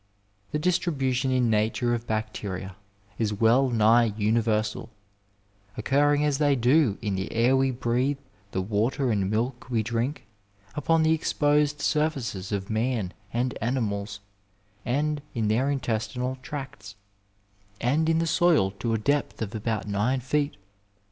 The distribution in nature of bacteria is well nigh uni versal, occurring as they do in the air we breathe, the water and milk we drink, upon the exposed surfaces of man and animals, and in their intestinal tracts, and in the soil to a depth of about nine feet.